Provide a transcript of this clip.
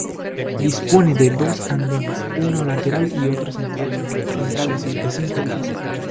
Dispone de dos andenes, uno lateral y otro central centrales y de cinco vías.